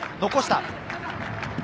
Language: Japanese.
残した。